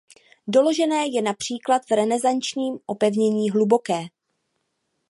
Doložené je například v renesančním opevnění Hluboké.